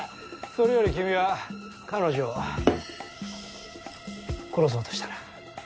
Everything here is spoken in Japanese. それより君は彼女を殺そうとしたな？